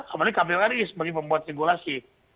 apalagi kpu ri sebagai pembuat regulasi